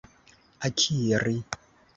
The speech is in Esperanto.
akiri